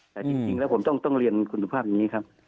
แต่จริงแล้วผมต้องเรียนคุณสุภาพอย่างนี้ครับ